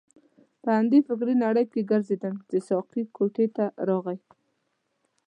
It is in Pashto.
په همدې فکرې نړۍ کې ګرځیدم چې ساقي کوټې ته راغی.